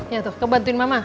ya tuh kebantuin mama